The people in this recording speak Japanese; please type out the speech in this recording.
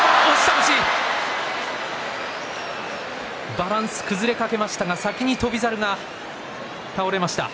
バランスが崩れかけましたが先に翔猿が倒れました。